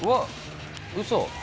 うそ。